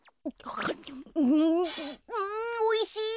あむうんおいしい。